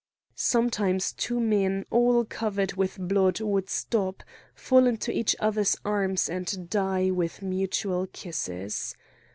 Sometimes two men all covered with blood would stop, fall into each other's arms, and die with mutual kisses.